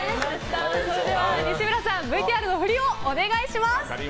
西村さん、ＶＴＲの振りをお願いします。